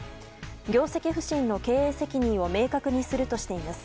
業績不振の経営責任を明確にするとしています。